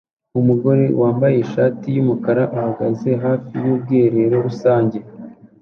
Umugore wambaye ishati yumukara ahagaze hafi yubwiherero rusange